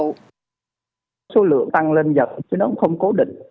số lượng tăng lên dần chứ nó không cố định